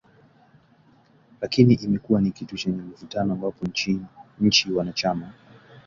Lakini imekuwa ni kitu chenye mvutano ambapo nchi wanachama